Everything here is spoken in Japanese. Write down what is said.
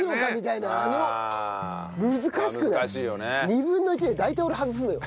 ２分の１で大体俺外すのよ。